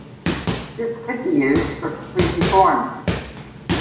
This could be used for completing forms.